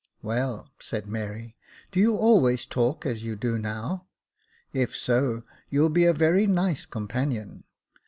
" "Well," said Mary, " do you always talk as you do now ? if so, you'll be a very nice companion.